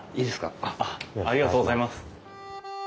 ありがとうございます。